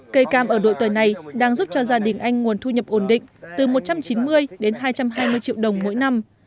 cây cam ở đội tuổi này đang giúp cho gia đình anh nguồn thu nhập ổn định từ một trăm chín mươi đến hai trăm hai mươi triệu đồng mỗi năm